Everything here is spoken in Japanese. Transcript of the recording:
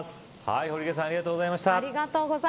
堀池さんありがとうございました。